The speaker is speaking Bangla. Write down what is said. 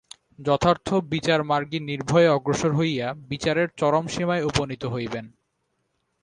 যথার্থ বিচারমার্গী নির্ভয়ে অগ্রসর হইয়া বিচারের চরম সীমায় উপনীত হইবেন।